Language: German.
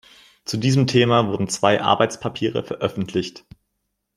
Zu diesem Thema wurden zwei Arbeitspapiere veröffentlicht.